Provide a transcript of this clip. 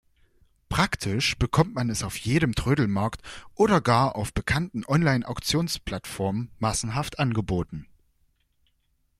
Praktisch bekommt man es auf jedem Trödelmarkt oder gar auf bekannten Online-Auktionsplattformen massenhaft angeboten.